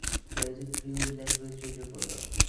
There is a Creole-language radio program.